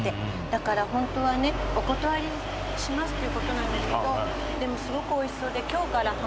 だからホントはねお断りしますっていうことなんだけどでもすごくおいしそうで。